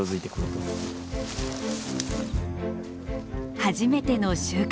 初めての収穫。